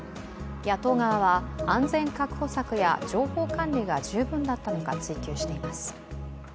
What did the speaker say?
野党側は安全確保策や情報管理が十分だったのか追及しています。